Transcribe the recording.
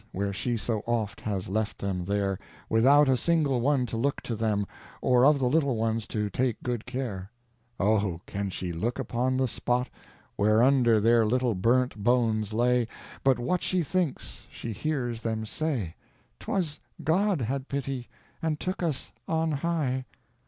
Where she so oft has left them there, Without a single one to look to them, Or of the little ones to take good care. Oh, can she look upon the spot, Whereunder their little burnt bones lay, But what she thinks she hears them say, ''Twas God had pity, and took us on high.'